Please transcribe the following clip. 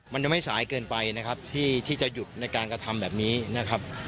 มันยังไม่สายเกินไปนะครับที่จะหยุดในการกระทำแบบนี้นะครับ